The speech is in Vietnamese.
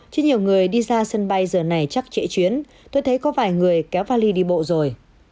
chứ nhiều người đi ra sân bay giờ này chắc chạy chuyến tôi thấy có vài người kéo vali đi bộ rồi